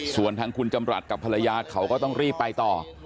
ส่วนทางคุณจำรัฐกับภรรยาเขาก็ต้องรีบไปต่อ